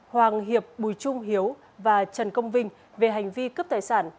hoàng hiệp bùi trung hiếu và trần công vinh về hành vi cướp tài sản